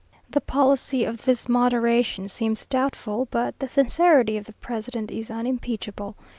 The policy of this moderation seems doubtful, but the sincerity of the president is unimpeachable.